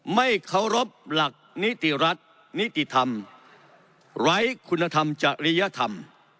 ไม่เคารพหลักนิติรัฐนิติธรรมไร้คุณธรรมจริยธรรม